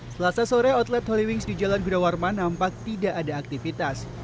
selasa sore outlet holywings di jalan gunawarman nampak tidak ada aktivitas